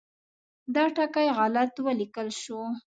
دا ټکی غلط ولیکل شو.